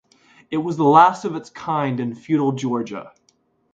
It was the last of its kind in feudal Georgia.